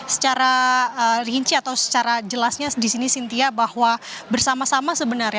secara rinci atau secara jelasnya di sini sintia bahwa bersama sama sebenarnya